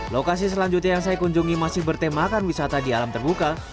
lokasi selanjutnya yang saya kunjungi masih bertemakan wisata di alam terbuka